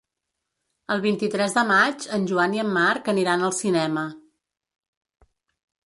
El vint-i-tres de maig en Joan i en Marc aniran al cinema.